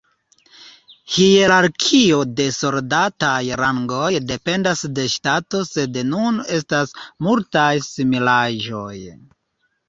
Hierarkio de soldataj rangoj dependas de ŝtato sed nun estas multaj similaĵoj.